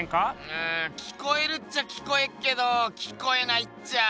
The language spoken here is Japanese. うん聞こえるっちゃ聞こえっけど聞こえないっちゃ。